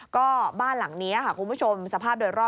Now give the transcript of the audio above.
ก็บ้านหลังนี้ค่ะคุณผู้ชมสภาพโดยรอบ